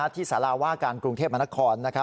ที่สารว่าการกรุงเทพมนาคอร์